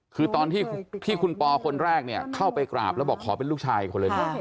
คือตอนที่คุณปอคนแรกเนี่ยเข้าไปกราบแล้วบอกขอเป็นลูกชายคนเล็กหน่อย